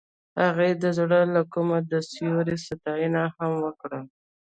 هغې د زړه له کومې د سپوږمۍ ستاینه هم وکړه.